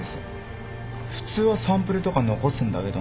普通はサンプルとか残すんだけどな。